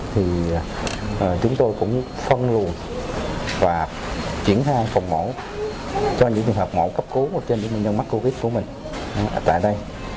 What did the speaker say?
thì chúng tôi cũng phân luôn và chuyển sang phòng mổ cho những trường hợp mổ cấp cứu trên những nguyên nhân mắc covid của mình tại đây